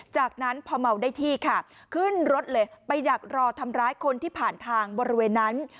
จากนั้นพอเมาได้ที่ค่ะขึ้นรถเลยไปดักรอทำร้ายคนที่ผ่านทางบริเวณนั้น